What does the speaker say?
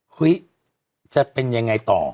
เฮ้ยจะเป็นยังไงต่อ